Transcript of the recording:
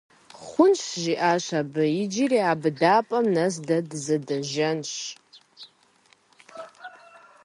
- Хъунщ, - жиӀащ абы, - иджыри а быдапӀэм нэс зэ дызэдэжэнщ!